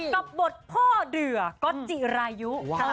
กับบทพ่อเดือก๊อตจิรายุ